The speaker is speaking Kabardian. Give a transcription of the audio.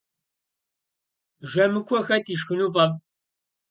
Жэмыкуэ хэт ишхыну фӏэфӏ?